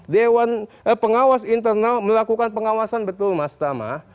dewan pengawas internal melakukan pengawasan betul mas tama